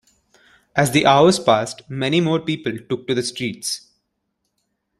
As the hours passed many more people took to the streets.